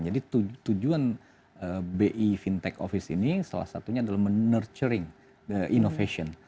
jadi tujuan bi fintech office ini salah satunya adalah menerturing the innovation